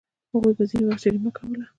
هغوی به ځینې وخت جریمه ورکوله.